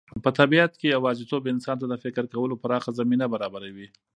په طبیعت کې یوازېتوب انسان ته د فکر کولو پراخه زمینه برابروي.